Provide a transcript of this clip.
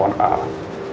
oh tiga minggu ke